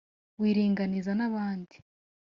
wiringaniza n'abandi